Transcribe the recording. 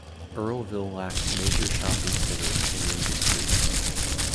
Earlville lacks major shopping centers and industries.